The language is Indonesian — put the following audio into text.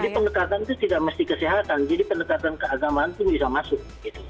jadi pendekatan itu tidak mesti kesehatan jadi pendekatan keagamaan itu bisa masuk